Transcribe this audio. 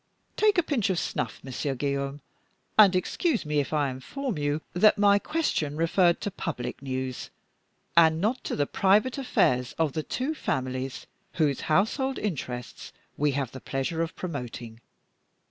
Take a pinch of snuff, Monsieur Guillaume, and excuse me if I inform you that my question referred to public news, and not to the private affairs of the two families whose household interests we have the pleasure of promoting."